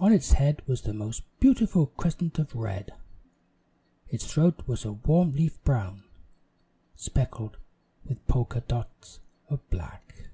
On its head was the most beautiful crescent of red. Its throat was a warm leaf brown, specked with polka dots of black.